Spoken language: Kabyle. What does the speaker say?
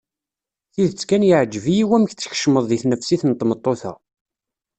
Tidet kan yeɛjeb-iyi wamek tkecmeḍ deg tnefsit n tmeṭṭut-a.